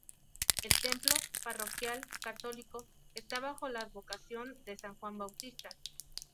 El templo, parroquial, católico está bajo la advocación de san Juan Bautista.